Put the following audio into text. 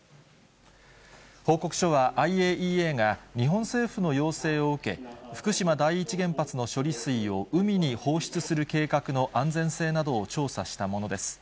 報告書は、ＩＡＥＡが、日本政府の要請を受け、福島第一原発の処理水を海に放出する計画の安全性などを調査したものです。